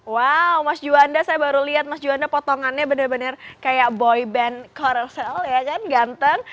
wow mas juanda saya baru lihat mas juanda potongannya benar benar kayak boy band korsel ya kan ganteng